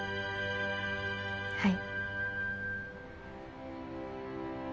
はい。